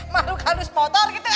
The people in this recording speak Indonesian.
mahluk halus motor gitu